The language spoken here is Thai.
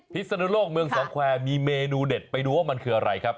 ศนุโลกเมืองสองแควร์มีเมนูเด็ดไปดูว่ามันคืออะไรครับ